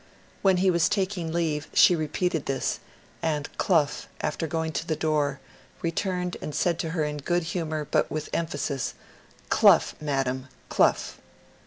When he was taking leave she repeated this ; and Clough, after going to the door, returned and said to her in good humour but with emphasis, ^^Cluff, madam, Cluff!'